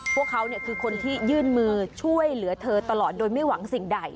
พวกเขาคือคนที่ยื่นมือช่วยเหลือเธอตลอดโดยไม่หวังสิ่งใด